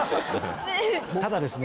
ただですね